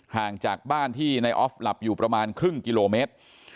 ห่างจากบ้านที่นายออฟหลับอยู่ประมาณครึ่งกิโลเมตร